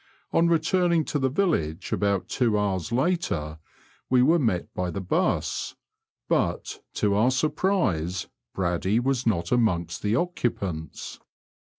On returning to the village about two hours later, we were met by the 'bus, but, to our surprise, Braddy was not amongst the occupants.